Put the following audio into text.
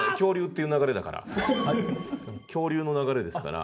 恐竜の流れですから。